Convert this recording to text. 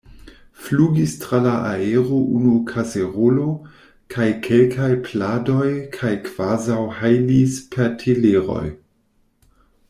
Flugis tra la aero unu kaserolo, kaj kelkaj pladoj, kaj kvazaŭ hajlis per teleroj.